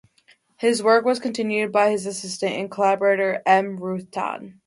His work was continued by his assistant and collaborator, M. Ruth Todd.